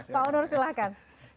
pak onur silahkan